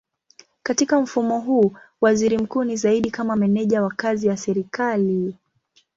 Katika mfumo huu waziri mkuu ni zaidi kama meneja wa kazi ya serikali.